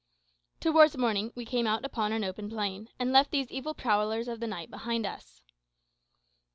Towards morning we came out upon an open plain, and left these evil prowlers of the night behind us.